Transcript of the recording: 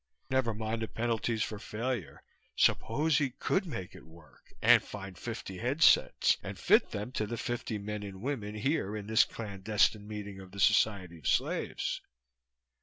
Never mind the penalties for failure. Suppose he could make it work, and find fifty headsets, and fit them to the fifty men and women here in this clandestine meeting of the Society of Slaves....